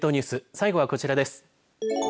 最後はこちらです。